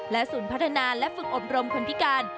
ศูนย์พัฒนาและฝึกอบรมคนพิการ